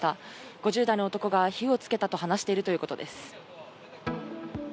５０代の男が火をつけたと話しているということです。